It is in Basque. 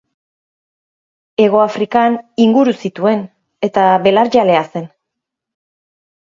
Hegoafrikan inguru zituen eta belarjalea zen.